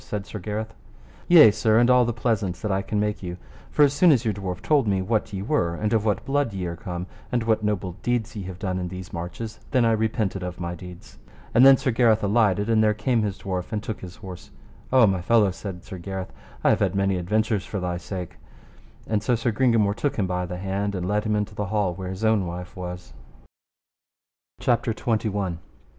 said Sir Gareth. Yea, sir, and all the pleasaunce that I can make you, for as soon as your dwarf told me what ye were and of what blood ye are come, and what noble deeds ye have done in these marches, then I repented of my deeds. And then Sir Gareth alighted, and there came his dwarf and took his horse. O my fellow, said Sir Gareth, I have had many adventures for thy sake. And so Sir Gringamore took him by the hand and led him into the hall where his own wife was. CHAPTER XXI. How Sir Gareth, otherwise called Beaumains, came to the presence of his lady, and how they took acquaintance, and of their love.